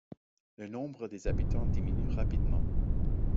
Le nombre des habitants diminue rapidement.